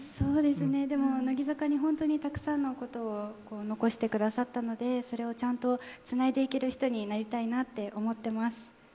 でも乃木坂に本当にたくさんのことを残してくださったので、それをちゃんとつないでいける人になりたいなって思ってます。